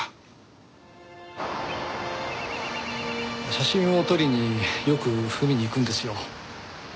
写真を撮りによく海に行くんですよ。